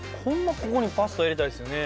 ここにパスタ入れたいですよね。